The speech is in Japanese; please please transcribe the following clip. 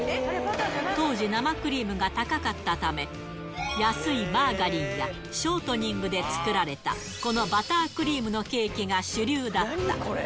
当時、生クリームが高かったため、安いマーガリンやショートニングで作られた、このバタークリームのケーキが主流だった。